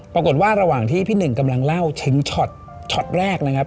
ปรากฏว่าระหว่างที่พี่หนึ่งกำลังเล่าถึงช็อตช็อตแรกนะครับ